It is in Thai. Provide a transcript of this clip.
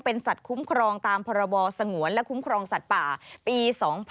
สัตว์คุ้มครองตามพรบสงวนและคุ้มครองสัตว์ป่าปี๒๕๖๒